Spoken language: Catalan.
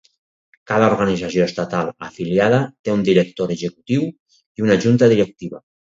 Cada organització estatal afiliada té un director executiu i una junta directiva.